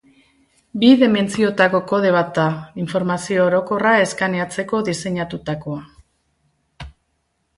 Bi dimentsiotako kode bat da, informazio orokorra eskaneatzeko diseinatutakoa.